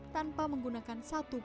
tanpa menggunakan pasak yang berbeda